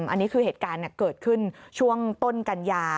อันนี้คือเหตุการณ์เกิดขึ้นช่วงต้นกัญญา